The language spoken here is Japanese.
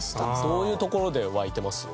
どういうところで湧いてます？